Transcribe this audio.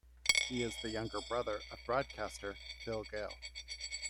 He is the younger brother of broadcaster Phil Gayle.